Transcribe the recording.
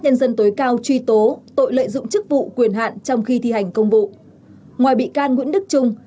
nhân dân tối cao truy tố tội lợi dụng chức vụ quyền hạn trong khi thi hành công vụ ngoài bị can nguyễn đức trung